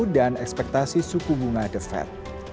dan ekspektasi suku bunga defat